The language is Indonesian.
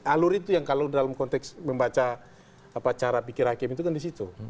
alur itu yang kalau dalam konteks membaca cara pikir hakim itu kan di situ